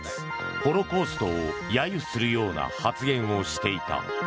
ホロコーストを揶揄するような発言をしていた。